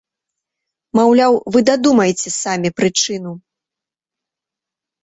Маўляў, вы дадумайце самі прычыну.